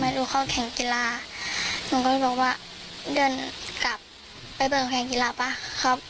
ไม่รู้ข้อแข่งกีฬาหนูก็บอกว่าเดินกลับไปเปิดแข่งกีฬาป่ะครับ